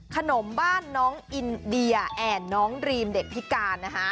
ขนมบ้านน้องอินเดียแอ่นน้องดรีมเด็กพิการนะคะ